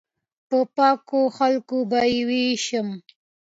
په خلکو به یې ووېشم.